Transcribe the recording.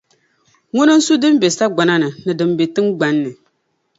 Ŋuna n-su din be sagbana ni, ni din be tiŋgbani.